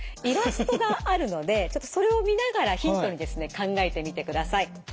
イラストがあるのでちょっとそれを見ながらヒントにですね考えてみてください。